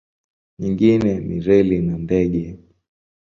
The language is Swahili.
Nyingine ni reli na ndege.